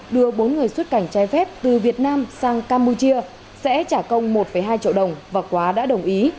đưa bốn người xuất cảnh trái phép từ việt nam sang campuchia sẽ trả công một hai triệu đồng và quá đã đồng ý